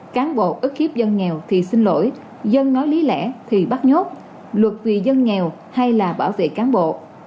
cán bộ ức khiếp dân nghèo thì xin lỗi dân nói lý lẽ thì bắt nhốt luật vì dân nghèo hay là bảo vệ cán bộ